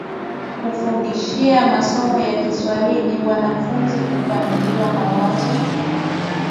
kufundishia masomo ni Kiswahili Wanafunzi hupanuliwa mawazo